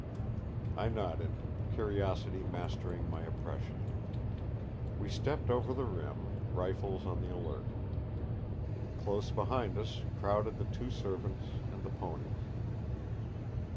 I nodded, curiosity mastering my oppression. We stepped over the rim, rifles on the alert. Close behind us crowded the two servants and the ponies.